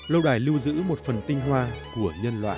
lâu đài lưu giữ một phần tinh hoa của nhân loại